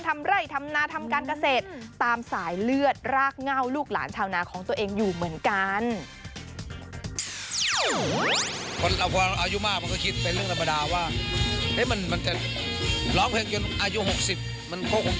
ทำไร่ทำนาทำการเกษตรตามสายเลือดรากเง่าลูกหลานชาวนาของตัวเองอยู่เหมือนกัน